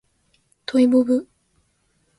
トイボブ